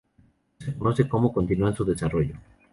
No se conoce como continúan su desarrollo.